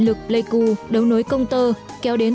lực pleiku đấu nối công tơ kéo đến